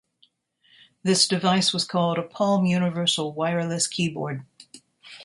This device was called a Palm Universal Wireless Keyboard.